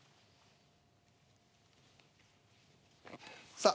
さあ